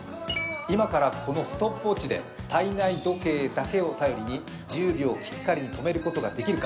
今からこのストップウォッチで体内時計だけを頼りに１０秒ぴったりで止めることはできるか。